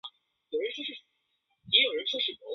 孰大孰小其实是个开放问题。